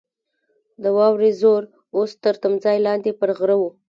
د واورې زور اوس تر تمځای لاندې پر غره وو.